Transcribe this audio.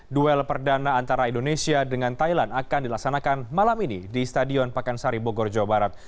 duel perdana antara indonesia dengan thailand akan dilaksanakan malam ini di stadion pakansari bogor jawa barat